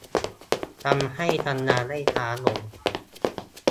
ทำให้ทำงานได้ช้าลง